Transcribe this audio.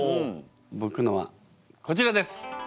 ぼくのはこちらです！